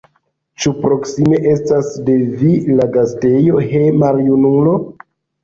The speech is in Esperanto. Ĉu proksime estas de vi la gastejo, he, maljunulo?